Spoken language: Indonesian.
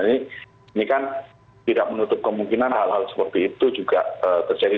ini kan tidak menutup kemungkinan hal hal seperti itu juga terjadi